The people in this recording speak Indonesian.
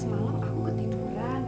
aku ingin tidur